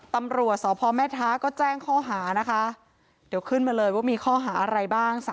ตำรวจสพแม่ท้าก็แจ้งข้อหานะคะเดี๋ยวขึ้นมาเลยว่ามีข้อหาอะไรบ้าง